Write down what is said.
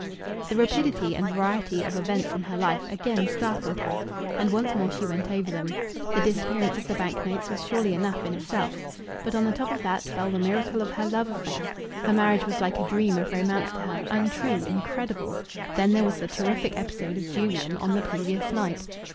The rapidity and variety of events in her life again startled her, and once more she went over them. The disappearance of the bank notes was surely enough in itself. But on the top of that fell the miracle of her love affair. Her marriage was like a dream of romance to her, untrue, incredible. Then there was the terrific episode of Julian on the previous night.